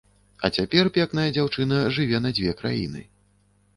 А цяпер пекная дзяўчына жыве на дзве краіны.